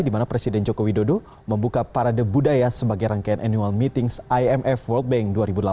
di mana presiden joko widodo membuka parade budaya sebagai rangkaian annual meetings imf world bank dua ribu delapan belas